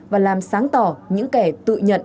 và làm sáng tỏ những kẻ tự nhận